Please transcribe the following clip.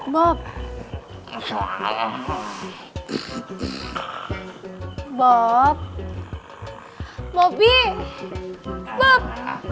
bantah malah banget sih bob bob bobby bob